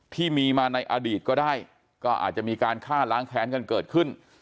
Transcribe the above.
ที่มีมาในอดีตก็ได้ก็อาจจะมีการฆ่าล้างแค้นกันเกิดขึ้น